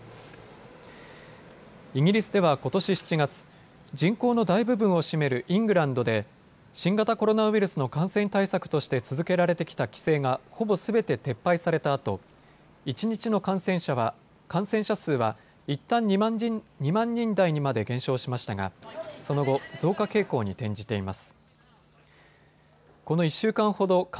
イギリスではことし７月、人口の大部分を占めるイングランドで新型コロナウイルスの感染対策として続けられてきた規制がほぼすべて撤廃されたあと一日の感染者数はいったん２万人台にまで減少しましたがその後、増加傾向に転じています。